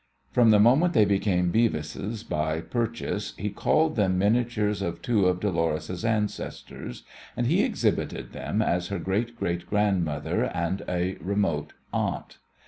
From the moment they became Beavis' by purchase he called them miniatures of two of Dolores' ancestors, and he exhibited them as her great great grandmother and a remote aunt.